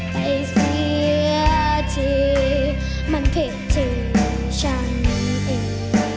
ไปเสียเธอมันผิดที่ฉันเอง